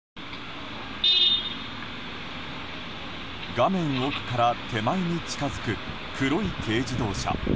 画面奥から手前に近づく黒い軽自動車。